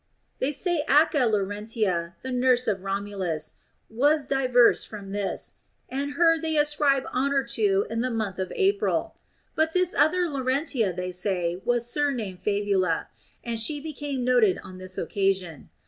They say that Acca Laurentia, the nurse of Romulus, was diverse from this, and her they ascribe honor to in the month of April. But this other Lauren tia, they say, was surnamed Fabula, and she became noted on this occasion.